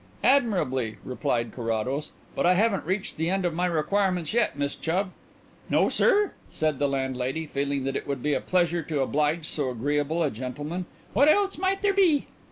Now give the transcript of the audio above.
"Admirably," replied Carrados. "But I haven't reached the end of my requirements yet, Miss Chubb." "No, sir?" said the landlady, feeling that it would be a pleasure to oblige so agreeable a gentleman, "what else might there be?"